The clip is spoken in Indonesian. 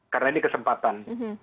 karena ini kesempatan